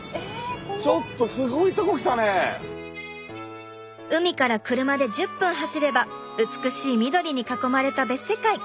ちょっと海から車で１０分走れば美しい緑に囲まれた別世界。